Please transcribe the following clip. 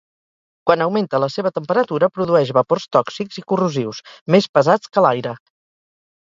Quan augmenta la seva temperatura produeix vapors tòxics i corrosius, més pesats que l'aire.